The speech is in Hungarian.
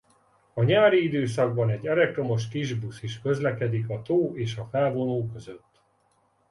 A nyári időszakban egy elektromos kisbusz is közlekedik a tó és a felvonó között.